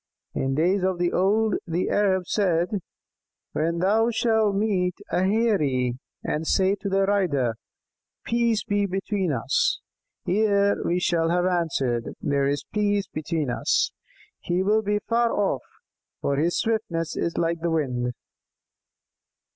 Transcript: In days of old the Arabs said: 'When thou shalt meet a Heirie and say to the rider 'Peace be between us,' ere he shall have answered 'There is peace between us,' he will be far off, for his swiftness is like the wind.'"